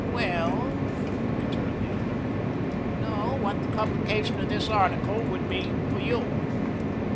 "Well," returned the other, "you know what the publication of this article would mean for you."